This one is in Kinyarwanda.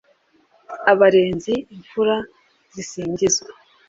abarenzi: imfura zisingizwa